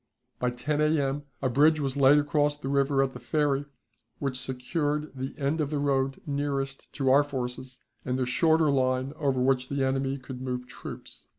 By 10 A.M. a bridge was laid across the river at the ferry, which secured the end of the road nearest to our forces and the shorter line over which the enemy could move troops.